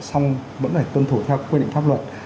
xong vẫn phải tuân thủ theo quy định pháp luật